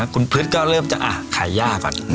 คุณพฤษก็เริ่มจะขายย่าก่อน